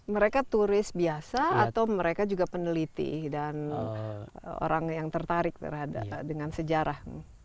mereka turis biasa atau mereka juga peneliti dan orang yang tertarik dengan sejarah